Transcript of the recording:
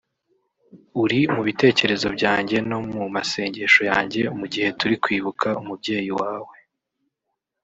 uri mu bitekerezo byanjye no mu masengesho yanjye mu gihe turi kwibuka umubyeyi wawe